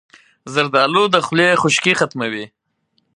زردالو د خولې خشکي ختموي.